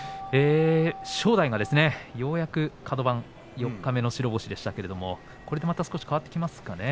正代がようやくカド番四日目の白星でしたけれども、これでまた少し変わってきますかね。